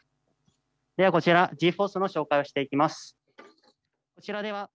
ではこちらＧ−ｆｏｒｔｈの紹介をしていきます。